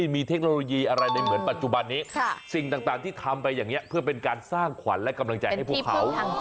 เพราะต้องเข้าใจนะ